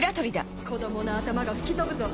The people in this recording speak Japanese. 子供の頭が吹き飛ぶぞ！